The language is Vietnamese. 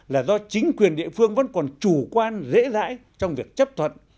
là do chính quyền địa phương vẫn còn chủ quan rễ rãi trong việc chấp thuận